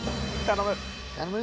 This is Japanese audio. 頼む。